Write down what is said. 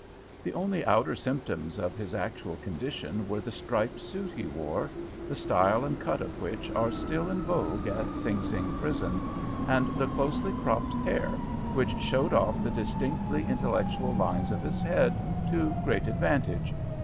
The only outer symptoms of his actual condition were the striped suit he wore, the style and cut of which are still in vogue at Sing Sing prison, and the closely cropped hair, which showed off the distinctly intellectual lines of his head to great advantage.